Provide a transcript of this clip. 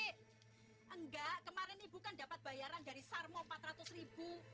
enggak kemarin ibu kan dapat bayaran dari sarmo empat ratus ribu